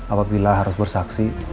apabila harus bersaksi